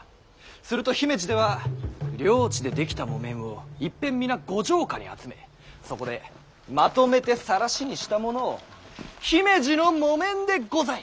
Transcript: すると姫路では領地で出来た木綿をいっぺん皆ご城下に集めそこでまとめて晒しにしたものを「姫路の木綿でござい！